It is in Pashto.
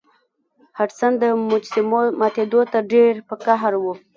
هډسن د مجسمو ماتیدو ته ډیر په قهر و.